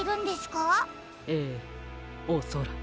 ええおそらく。